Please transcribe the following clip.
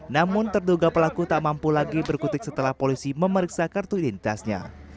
namun terduga pelaku tak mampu lagi berkutik setelah polisi memeriksa kartu identitasnya